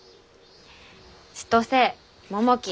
千歳百喜